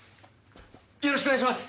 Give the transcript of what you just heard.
よろしくお願いします！